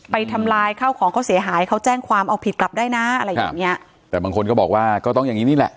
ไปทำลายข้าวของเขาใส่หาย